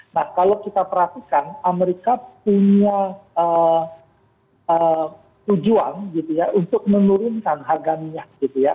nah kalau kita perhatikan amerika punya tujuan gitu ya untuk menurunkan harga minyak gitu ya